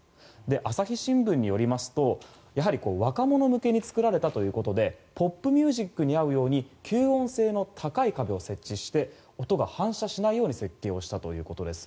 朝日新聞によりますとやはり若者向けに作られたということでポップミュージックに合うように吸音性の高い壁を設置して音が反射しないように設計をしたということです。